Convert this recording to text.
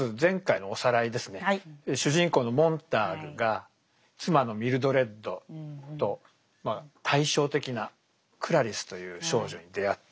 主人公のモンターグが妻のミルドレッドと対照的なクラリスという少女に出会って。